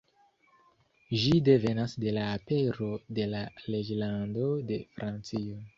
Ĝi devenas de la apero de la reĝlando de Francio.